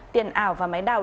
tiền ảo và máy đào